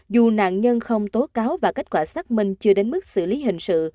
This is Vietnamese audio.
dù nạn nhân không tố cáo và kết quả xác minh chưa đến mức xử lý hình sự